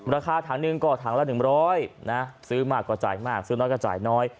ราคาถังหนึ่งก็ถังละ๑๐๐นะซื้อมากก็จ่ายมากซื้อน้อยก็จ่ายน้อย